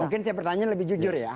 mungkin saya pertanyaan lebih jujur